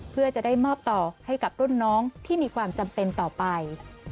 เพื่อจะได้มอบต่อให้กับรุ่นน้องที่มีความจำเป็นต่อไป